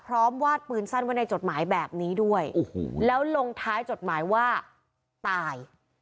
วาดปืนสั้นไว้ในจดหมายแบบนี้ด้วยโอ้โหแล้วลงท้ายจดหมายว่าตาย